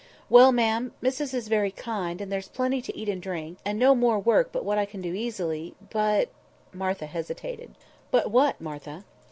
"Well, ma'am, missus is very kind, and there's plenty to eat and drink, and no more work but what I can do easily—but—" Martha hesitated. "But what, Martha?"